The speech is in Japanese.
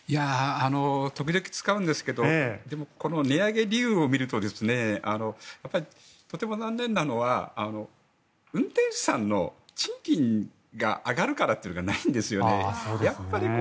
時々、使うんですけどでも値上げ理由を見るととても残念なのは運転手さんの賃金が上がるからというのがないんですよね。